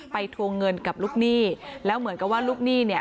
ทวงเงินกับลูกหนี้แล้วเหมือนกับว่าลูกหนี้เนี่ย